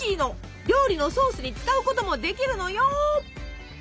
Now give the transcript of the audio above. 料理のソースに使うこともできるのよ！